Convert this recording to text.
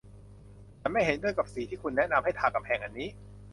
ฉันไม่เห็นด้วยกับสีที่คุณแนะนำให้ทากำแพงอันนี้